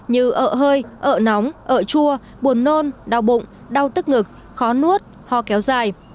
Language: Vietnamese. như ợ hơi ợ nóng ợ chua buồn nôn đau bụng đau tức ngực khó nuốt ho kéo dài